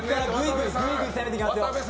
グイグイ攻めていきますよ。